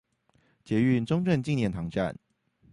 捷運中正紀念堂站